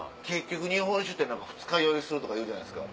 日本酒って二日酔いするとかいうじゃないですか。